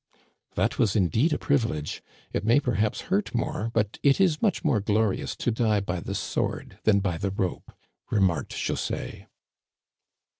" That was indeed a privilege. It may perhaps hurt more, but it is much more glorious to die by the sword than by the rope," remarked José.